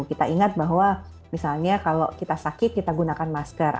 kita ingat bahwa misalnya kalau kita sakit kita gunakan masker